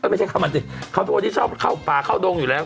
ไม่ใช่ข้าวมันสิเขาเป็นคนที่ชอบเข้าป่าเข้าดงอยู่แล้ว